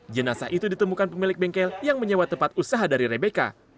jenasa itu ditemukan pemilik bengkel yang menyewa tempat usaha dari rebeka